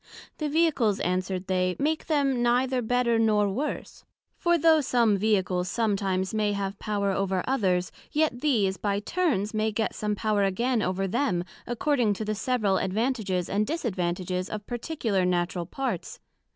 The Vehicles, answered they, make them neither better, nor worse; for though some Vehicles sometimes may have power over others, yet these by turns may get some power again over them, according to the several advantages and disadvantages of particular Natural parts.